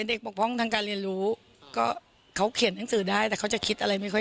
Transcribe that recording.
น้องเทียนทำการบ้านอยู่